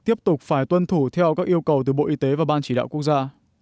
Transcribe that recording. tiếp tục phải tuân thủ theo các yêu cầu từ bộ y tế và ban chỉ đạo quốc gia